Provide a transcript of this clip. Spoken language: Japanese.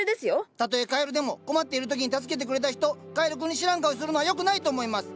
たとえカエルでも困っている時に助けてくれた人カエル君に知らん顔するのはよくないと思います！